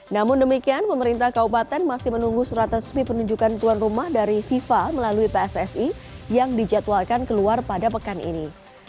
namun demikian pemerintah kabupaten masih menunggu surat resmi penunjukan tuan rumah dari fifa melalui pssi yang dijadwalkan keluar pada pekan ini